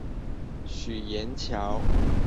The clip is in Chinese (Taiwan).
許顏橋